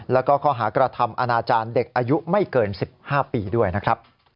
แล้วก็ข้อหากระทำอนาจารย์เด็กอายุไม่เกิน๑๕ปีด้วยนะครับ